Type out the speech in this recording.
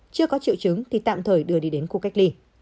chưa có triệu chứng thì tạm thời đưa đi đến khu cách ly